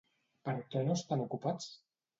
Per què no estan ocupats?